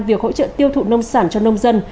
việc hỗ trợ tiêu thụ nông sản cho nông dân